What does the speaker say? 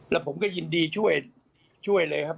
แล้วผมก็ยินดีช่วยเลยครับ